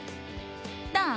どう？